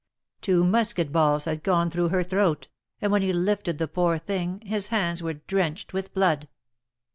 Two musket balls had gone through her throat, and when he lifted the poor thing, his hands were drenched with blood.